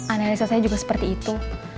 analisa saya juga seperti itu